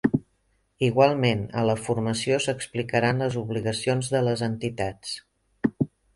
Igualment, a la formació s’explicaran les obligacions de les entitats.